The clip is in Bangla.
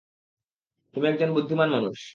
তুমি একজন বুদ্ধিমান মানুষ।